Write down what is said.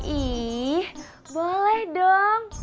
ih boleh dong